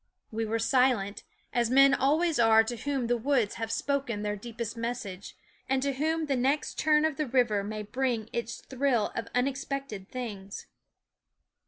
We were silent, as men always are to whom the woods have spoken their deepest message, THE WOODS 9 and to whom the next turn of the river may bring its thrill of unexpected things.